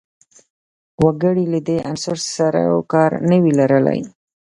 وګړي له دې عنصر سر و کار نه وي لرلای